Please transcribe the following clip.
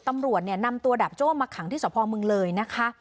ตำรวจเนี่ยนำตัวดาบโจ้มาขังที่สพเมืองเลยนะคะ